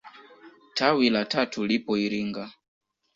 Tawi la tatu lipo Iringa.